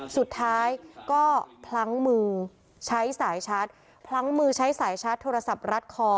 สุดท้ายก็พลั้งมือใช้สายชาร์จพลั้งมือใช้สายชาร์จโทรศัพท์รัดคอ